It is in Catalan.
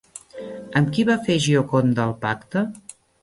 Amb qui va fer Gioconda el pacte?